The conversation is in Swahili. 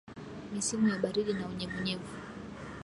Misimu ya baridi na unyevunyevu